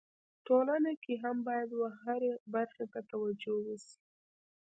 ټولنه کي هم باید و هري برخي ته توجو وسي.